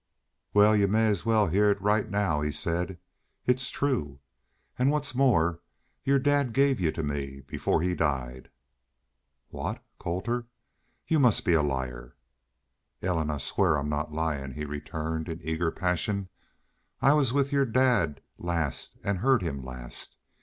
"Wal, y'u may as well heah it right now," he said. "It's true. An' what's more your dad gave y'u to me before he died." "What! Colter, y'u must be a liar." "Ellen, I swear I'm not lyin'," he returned, in eager passion. "I was with your dad last an' heard him last.